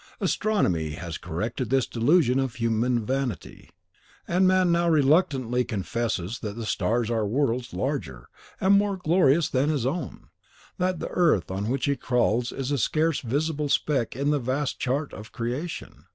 Astronomy has corrected this delusion of human vanity; and man now reluctantly confesses that the stars are worlds larger and more glorious than his own, that the earth on which he crawls is a scarce visible speck on the vast chart of creation.